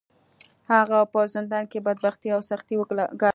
هغه په زندان کې بدبختۍ او سختۍ وګاللې.